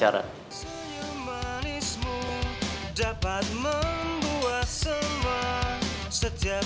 ada cowok yang setulus dia